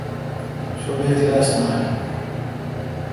چو بے کلاس نال۔